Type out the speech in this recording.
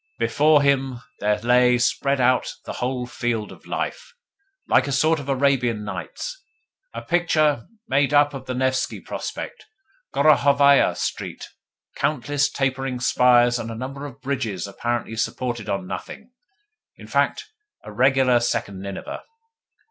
Before him there lay spread out the whole field of life, like a sort of Arabian Nights a picture made up of the Nevski Prospect, Gorokhovaia Street, countless tapering spires, and a number of bridges apparently supported on nothing in fact, a regular second Nineveh.